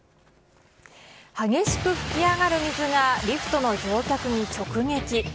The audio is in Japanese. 激しく吹き上がる水がリフトの乗客に直撃。